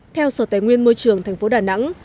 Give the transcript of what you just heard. theo sở tài nguyên môi trường thành phố đà nẵng